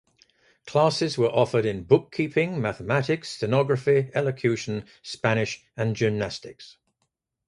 Classes were offered in bookkeeping, mathematics, stenography, elocution, Spanish and gymnastics.